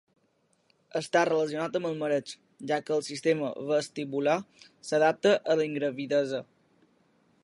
Està relacionat amb el mareig, ja que el sistema vestibular s'adapta a la ingravidesa.